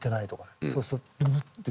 そうすると。